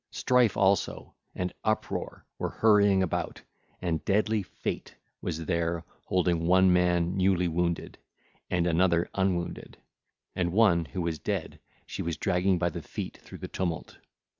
Strife also, and Uproar were hurrying about, and deadly Fate was there holding one man newly wounded, and another unwounded; and one, who was dead, she was dragging by the feet through the tumult.